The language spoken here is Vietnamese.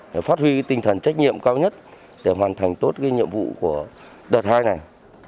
để phát huy tinh thần trách nhiệm cao nhất để hoàn thành tốt cái nhiệm vụ của đợt hai này